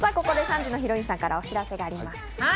ここで３時のヒロインさんからお知らせがあります。